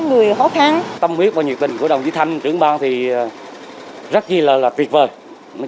người khó khăn tâm huyết và nhiệt tình của đồng chí thanh trưởng bang thì rất chi là tuyệt vời nói